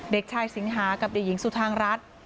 เด็กชายสิงหากับเด็กหญิงสุธางรัฐ